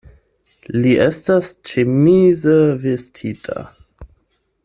Li estas ĉemize vestita.